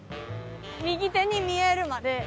右手に見えるまで。